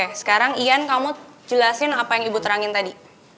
oke sekarang ian kamu jelasin apa yang ibu terangin tadi